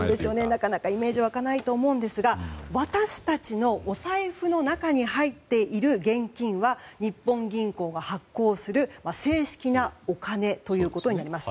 なかなかイメージ湧かないと思うんですが私たちのお財布の中に入っている現金は日本銀行が発行する正式なお金ということになります。